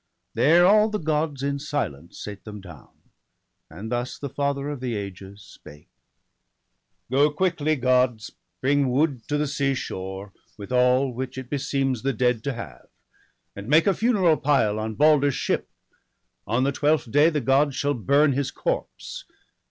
There all the Gods in silence sate them down; And thus the Father of the ages spake: — BALDER DEAD. 153 * Go quickly, Gods, bring wood to the seashore, With all, which it beseems the dead to have, And make a funeral pile on Balder's ship; On the twelfth day the Gods shall burn his corpse.